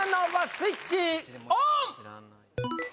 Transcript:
スイッチオン！